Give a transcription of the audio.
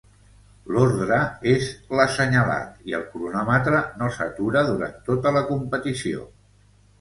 L'ordre és l'assenyalat i el cronòmetre no s'atura durant tota la competició.